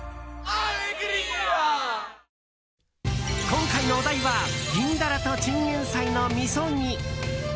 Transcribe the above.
今回のお題は銀ダラとチンゲンサイのみそ煮。